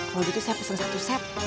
kalau gitu saya pesan satu set